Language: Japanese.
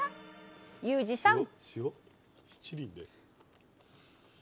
ユージさん！